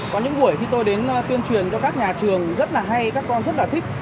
có những buổi khi tôi đến tuyên truyền cho các nhà trường rất là hay các con rất là thích